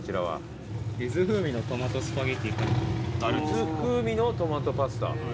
ユズ風味のトマトパスタ。